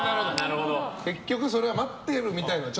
結局、それは待ってるみたいな。